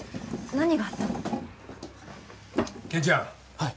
はい。